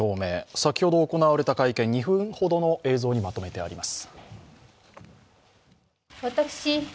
先ほど行われた会見、２分ほどの映像にまとめてあります。